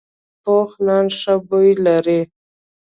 پوخ نان ښه بوی لري